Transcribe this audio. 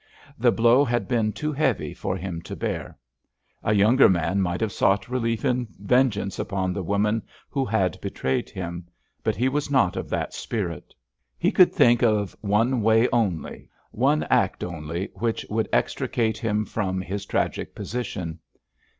The blow had been too heavy for him to bear. A younger man might have sought relief in vengeance upon the woman who had betrayed him, but he was not of that spirit. He could think of one way only, one act only which could extricate him from his tragic position.